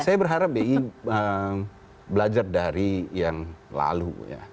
saya berharap bi belajar dari yang lalu